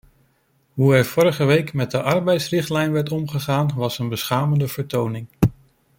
Hoe er vorige week met de arbeidstijdenrichtlijn werd omgegaan, was een beschamende vertoning.